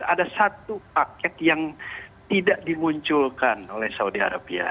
ada satu paket yang tidak dimunculkan oleh saudi arabia